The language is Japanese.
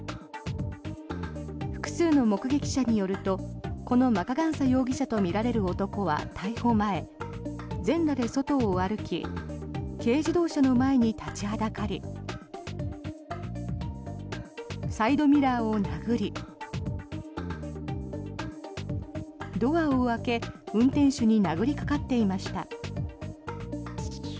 複数の目撃者によるとこのマカガンサ容疑者とみられる男は逮捕前、全裸で外を歩き軽自動車の前に立ちはだかりサイドミラーを殴りドアを開け運転手に殴りかかっていました。